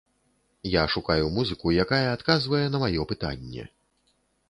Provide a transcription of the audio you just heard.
Я шукаю музыку, якая адказвае на маё пытанне.